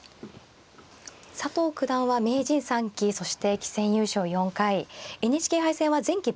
佐藤九段は名人３期そして棋戦優勝４回ＮＨＫ杯戦は前期